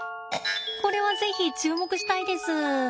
これは是非注目したいです。